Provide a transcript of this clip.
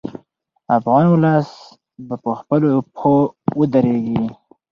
افغان ولس به په خپلو پښو ودرېږي.